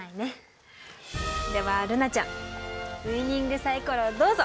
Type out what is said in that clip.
では瑠菜ちゃんウイニングサイコロどうぞ！